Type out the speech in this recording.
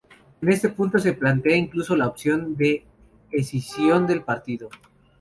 En este punto se plantea incluso la opción de escisión del partido.